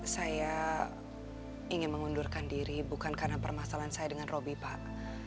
saya ingin mengundurkan diri bukan karena permasalahan saya dengan roby pak